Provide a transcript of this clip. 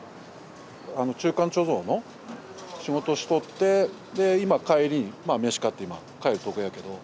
中間貯蔵の仕事しとってで今帰りにまあ飯買って今帰るとこやけど。